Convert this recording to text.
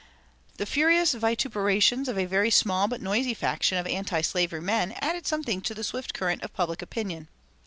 The furious vituperations of a very small but noisy faction of antislavery men added something to the swift current of public opinion.